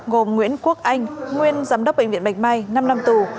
gồm nguyễn quốc anh nguyên giám đốc bệnh viện bạch mai năm năm tù